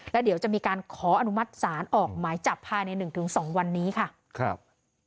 แล้วเดี๋ยวจะมีการขออนุมัติศาลออกหมายจับภายใน๑๒วันนี้ค่ะครับ